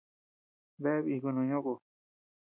Bea bíku no ñó kó.